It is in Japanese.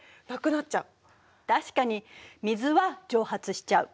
確かに水は蒸発しちゃう。